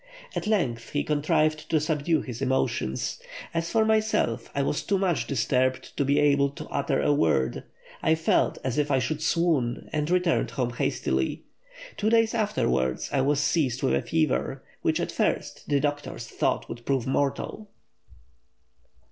At length he contrived to subdue his emotions. As for myself, I was too much disturbed to be able to utter a word; I felt as if I should swoon, and returned home hastily. Two days afterwards I was seized with a fever, which at first the doctors thought would prove mortal."